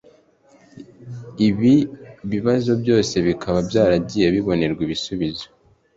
Ibi bibazo byose bikaba byaragiye bibonerwa ibisubizo